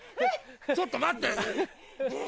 ちょっと待って。